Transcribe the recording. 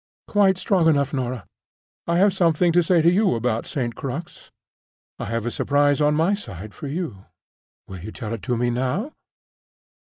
"Quite strong enough, Norah. I have something to say to you about St. Crux—I have a surprise, on my side, for you." "Will you tell it me now?"